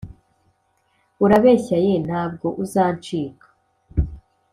urabeshya ye ntabwo uzancika